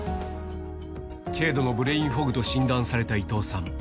軽度のブレインフォグと診断された伊藤さん。